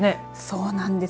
そうなんです。